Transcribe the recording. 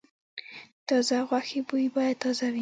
د تازه غوښې بوی باید تازه وي.